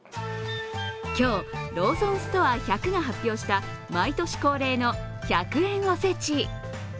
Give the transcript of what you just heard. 今日、ローソンストア１００が発表した毎年恒例の１００円おせち。